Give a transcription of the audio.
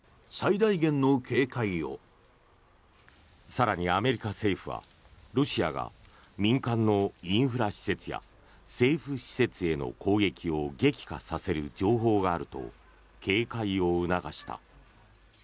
更に、アメリカ政府はロシアが民間のインフラ施設や政府施設への攻撃を激化させる情報があると警戒を促した。